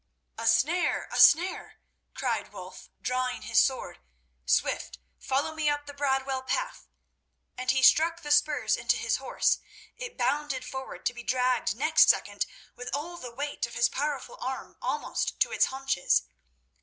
"A snare! a snare!" cried Wulf, drawing his sword. "Swift! follow me up the Bradwell path!" and he struck the spurs into his horse. It bounded forward, to be dragged next second with all the weight of his powerful arm almost to its haunches.